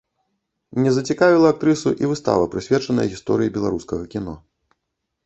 Не зацікавіла актрысу і выстава прысвечаная гісторыі беларускага кіно.